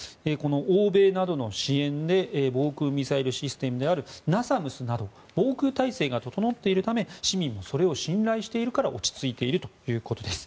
欧米などの支援で防空ミサイルシステムであるＮＡＳＡＭＳなど防空体制が整っているため市民がそれを信頼しているから落ち着いているということです。